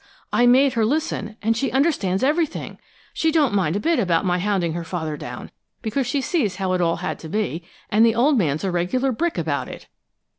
I made her listen, and she understands everything! She don't mind a bit about my hounding her father down, because she sees how it all had to be, and the old man's a regular brick about it!"